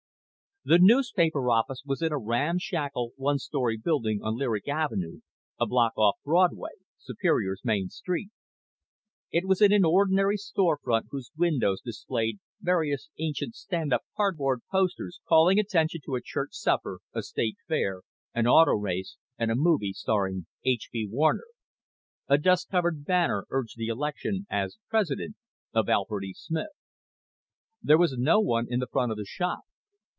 The newspaper office was in a ramshackle one story building on Lyric Avenue, a block off Broadway, Superior's main street. It was in an ordinary store front whose windows displayed various ancient stand up cardboard posters calling attention to a church supper, a state fair, an auto race, and a movie starring H. B. Warner. A dust covered banner urged the election as president of Alfred E. Smith. There was no one in the front of the shop.